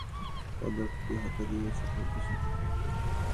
পরে চিত্রগ্রাহকেরা ছবি তুলতে গেলে পদকটি হাতে নিয়ে শরীরের পেছনে লুকিয়ে ফেললেন।